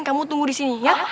kamu tunggu di sini ya